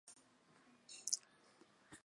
供奉弥额尔。